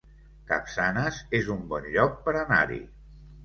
Capçanes es un bon lloc per anar-hi